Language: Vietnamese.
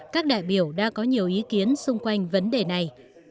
các đại biểu đã có nhiều ý kiến xung quanh vấn đề này